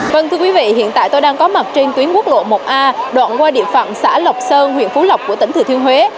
vâng thưa quý vị hiện tại tôi đang có mặt trên tuyến quốc lộ một a đoạn qua địa phận xã lộc sơn huyện phú lộc của tỉnh thừa thiên huế